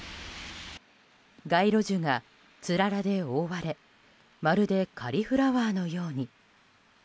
街路樹がつららで覆われまるでカリフラワーのように。